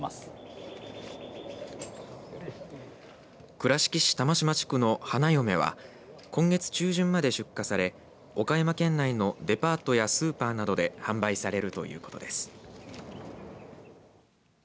倉敷市玉島地区のはなよめは今月中旬まで出荷され岡山県内のデパートやスーパーなどで販売されるということです。